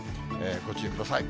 ご注意ください。